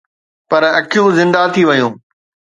پر اکيون زنده ٿي ويون